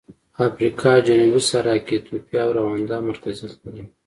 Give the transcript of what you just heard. افریقا جنوبي صحرا کې ایتوپیا او روندا مرکزیت لري.